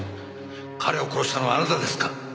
彼を殺したのはあなたですか？